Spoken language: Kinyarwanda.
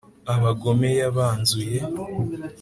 abagome yabanzuye